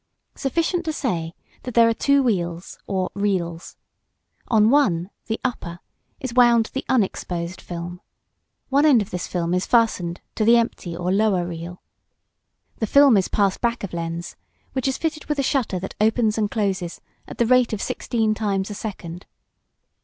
Sufficient to say that there are two wheels, or reels. On one the upper is wound the unexposed film. One end of this film is fastened to the empty, or lower, reel. The film is passed back of lens, which is fitted with a shutter that opens and closes at the rate of sixteen times a second.